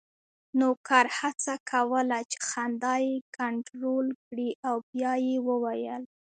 نوکر هڅه کوله چې خندا یې کنټرول کړي او بیا یې وویل: